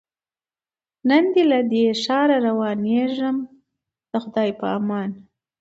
نن دي له ښاره روانېږمه د خدای په امان